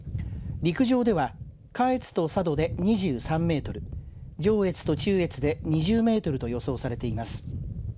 陸上では下越と佐渡で２３メートル上越と中越で２０メートルと予想されています。